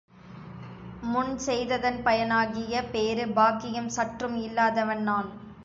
முன் செய்ததன் பயனாகிய பேறு, பாக்கியம், சற்றும் இல்லாதவன் நான்.